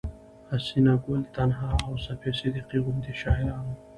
حسينه ګل تنها او صفيه صديقي غوندې شاعرانو